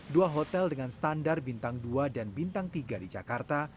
dua hotel dengan standar bintang dua dan bintang tiga di jakarta